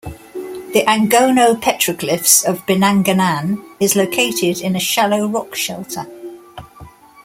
The Angono Petroglyphs of Binangonan is located in a shallow rock shelter.